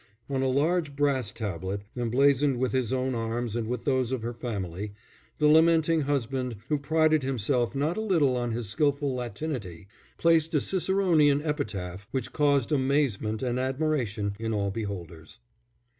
On a large brass tablet, emblazoned with his own arms and with those of her family, the lamenting husband, who prided himself not a little on his skilful Latinity, placed a Ciceronian epitaph which caused amazement and admiration in all beholders.